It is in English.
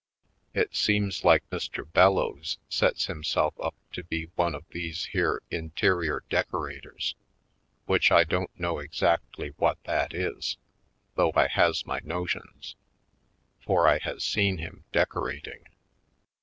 It seems like Mr. Bellows sets himself up to be one of these here in terior decorators, which I don't know ex actly what that is, though I has my notions for I has seen him decorating.